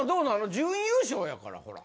準優勝やからほら。